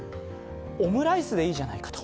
オムライスでいいんじゃないかと。